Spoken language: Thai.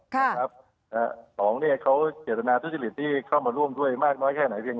ครับอ่าแล้วสองเนี้ยเขาเกียรติดหน้าทุกสินิทที่เข้ามาร่วมด้วยมากน้อยแค่ไหนเพียง